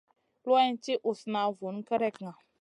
Luwayna ti usna vun gerekna.